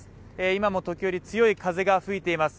今の時折、強い風が吹いています。